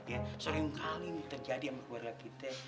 ya sering kali ini terjadi sama keluarga kita